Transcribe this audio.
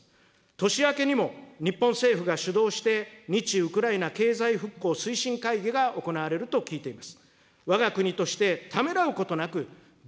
年明けにも、日本政府が主導して、日ウクライナ経済振興推進会議が行われると聞いています。